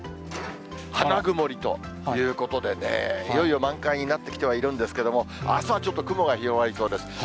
花曇りということでね、いよいよ満開になってきてはいるんですけれども、あすはちょっと雲が広がりそうです。